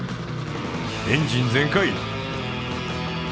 エンジン全開！